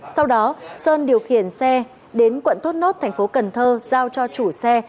sau đó sơn điều khiển xe đến quận thốt nốt tp cn giao cho chủ xe